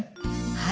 はい。